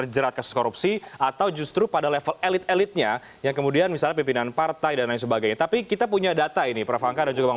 jadi golkar paling banyak